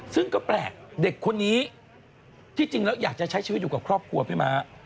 ซึ่งก็แปลกเด็กคนนี้ที่จริงแล้วอยากจะใช้ชีวิตอยู่กับครอบครัวพี่ม้า